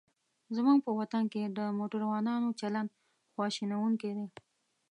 زموږ په وطن کې د موټروانانو چلند خواشینوونکی دی.